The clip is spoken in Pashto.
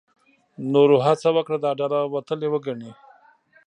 نورو هڅه وکړه دا ډله وتلې وګڼي.